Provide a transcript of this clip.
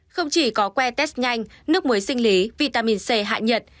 không chỉ có que test nhanh nước muối sinh lý vitamin c hạ nhiệt